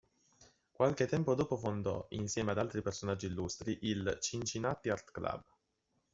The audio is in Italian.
Qualche tempo dopo fondò, insieme ad altri personaggi illustri, il Cincinnati Art Club.